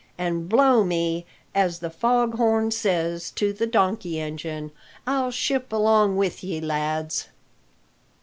An' blow me, as the fog horn says to the donkey engine, I'll ship along with ye, lads!"